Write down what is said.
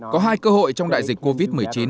có hai cơ hội trong đại dịch covid một mươi chín